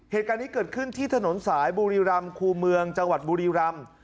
เหตุการณ์นี้เกิดขึ้นที่ถนนสายบุรีรำคู่เมืองจังหวัดบุรีรำ